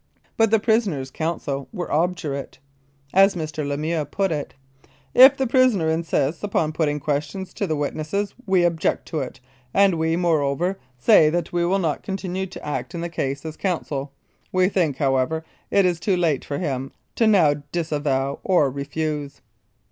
But the prisoner's counsel were obdurate. As Mr. Lemieux put it :" If the prisoner insists upon putting questions to the witnesses, we object *o it, and we, more over, say that we will not continue to act in the case as counsel. We think, however, it is too late for him to now disavow or refuse."